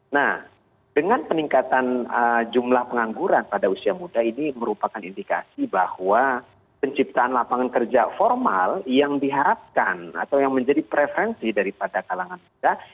nah dengan peningkatan jumlah pengangguran pada usia muda ini merupakan indikasi bahwa penciptaan lapangan kerja formal yang diharapkan atau yang menjadi preferensi daripada kalangan muda